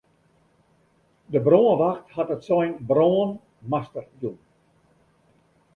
De brânwacht hat it sein brân master jûn.